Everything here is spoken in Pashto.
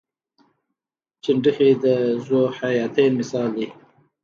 چنډخې د ذوحیاتین مثال دی